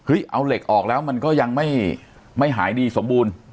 เอาเหล็กออกแล้วมันก็ยังไม่หายดีสมบูรณ์